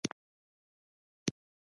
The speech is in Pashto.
پاچا وويل: نيمه پاچاهي به ترې قربان کړم.